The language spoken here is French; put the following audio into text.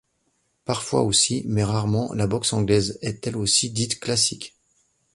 Parfois aussi mais rarement la Boxe Anglaise est elle aussi dite Classique.